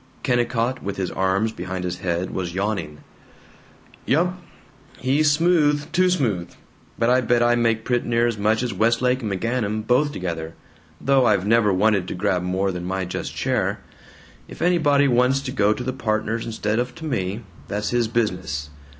Kennicott, with his arms behind his head, was yawning: "Yump. He's smooth, too smooth. But I bet I make prett' near as much as Westlake and McGanum both together, though I've never wanted to grab more than my just share. If anybody wants to go to the partners instead of to me, that's his business.